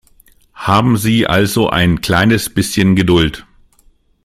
Haben Sie also ein kleines bisschen Geduld.